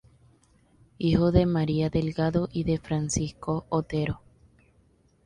Hijo de María Delgado y de Francisco Otero.